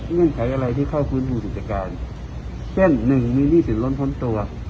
เงื่อนไขอะไรที่เข้าฟื้นฟูกิจการเช่นหนึ่งมีหนี้สินล้นพ้นตัว